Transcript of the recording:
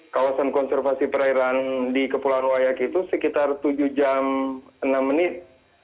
kawasan konservasi perairan di kepulauan wayak itu sekitar tujuh jam enam menit